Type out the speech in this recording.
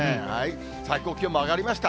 最高気温も上がりました。